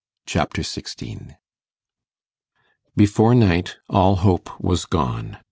Chapter 16 Before night all hope was gone.